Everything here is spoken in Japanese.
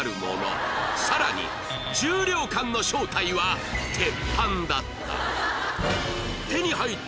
さらに重量感の正体は鉄板だった